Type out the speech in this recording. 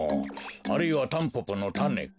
あるいはタンポポのたねか。